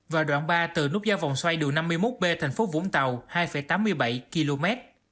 và đoạn ba từ nút giao vòng xoay đường năm mươi một b thành phố vũng tàu hai tám mươi bảy km